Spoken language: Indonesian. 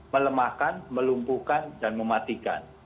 melemahkan melumpuhkan dan mematikan